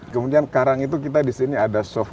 kemudian karang itu kita di sini ada soft